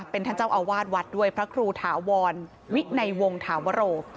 เป็นท่านเจ้าอาวาสวัดด้วยพระครูถาวรวินัยวงถาวโร